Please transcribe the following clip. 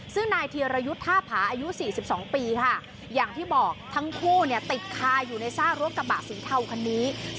ซึ่งนายธีรยุทธ์ท่าผาอายุ๔๒ปีค่ะอย่างที่บอกทั้งคู่เนี่ยติดคาอยู่ในซากรถกระบะสีเทาคันนี้